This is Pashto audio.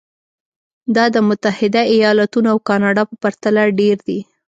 دا د متحده ایالتونو او کاناډا په پرتله ډېر دي.